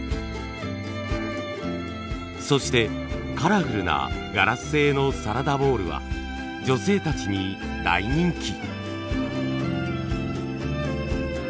そしてカラフルなガラス製のサラダボウルは女性たちに大人気。